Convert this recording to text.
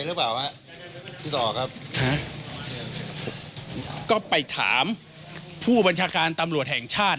หรือเปล่าฮะพี่ต่อครับฮะก็ไปถามผู้บัญชาการตำรวจแห่งชาติ